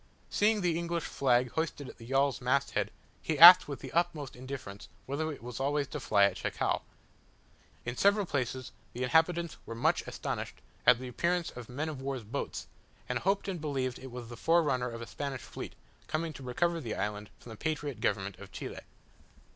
Seeing the English flag hoisted at the yawl's mast head, he asked with the utmost indifference, whether it was always to fly at Chacao. In several places the inhabitants were much astonished at the appearance of men of war's boats, and hoped and believed it was the forerunner of a Spanish fleet, coming to recover the island from the patriot government of Chile.